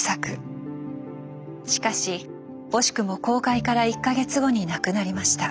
しかし惜しくも公開から１か月後に亡くなりました。